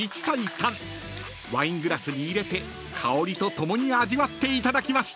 ［ワイングラスに入れて香りとともに味わっていただきました］